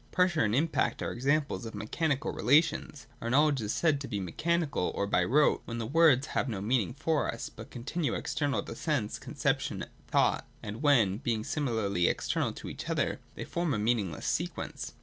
Pressure and impact are examples of mechanical relations. Our knowledge is said to be mechanical or by rote, when the words have no meaning for us, but continue external to sense, conception, thought ; and when, being similarly external to each other, they form a meaningless sequence.